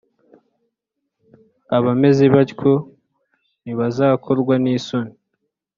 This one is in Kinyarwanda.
Abameze batyo ntibazakorwa nisoni